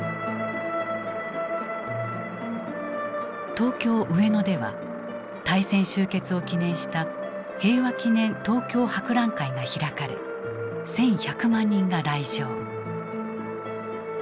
東京・上野では大戦終結を記念した平和記念東京博覧会が開かれ１，１００万人が来場。